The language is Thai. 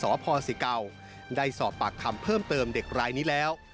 สพศิเก่าได้สอบปากคำเพิ่มเติมเด็กรายนี้แล้ว